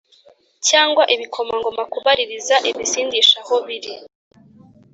cyangwa ibikomangoma kubaririza ibisindisha aho biri